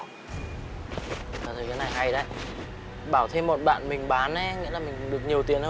thì cái này hay đấy bảo thêm một bạn mình bán ấy nghĩa là mình được nhiều tiền hơn đấy